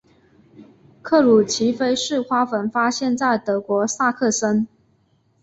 克鲁奇菲氏花粉发现在德国萨克森。